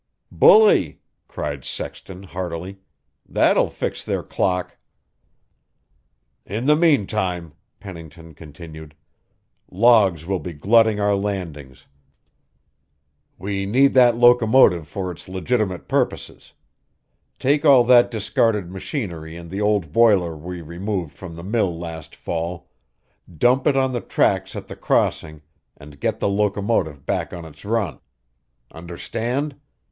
"Bully!" cried Sexton heartily. "That will fix their clock." "In the meantime," Pennington continued, "logs will be glutting our landings. We need that locomotive for its legitimate purposes. Take all that discarded machinery and the old boiler we removed from the mill last fall, dump it on the tracks at the crossing, and get the locomotive back on its run. Understand?